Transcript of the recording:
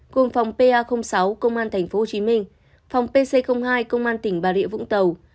cùng phòng pa sáu công an tp hcm phòng pc hai công an tỉnh bà rịa vũng tàu